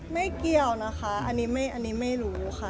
ไม่เกี่ยวนะคะอันนี้ไม่รู้ค่ะ